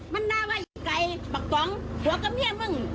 มันน่าว่าไอ้ไก่บักต้องหัวกะเมียมึง